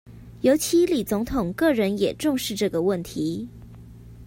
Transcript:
尤其李總統個人也重視這個問題